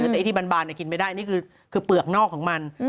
แต่ไอ้ที่บานกินไม่ได้นี่คือเปลือกนอกของมัน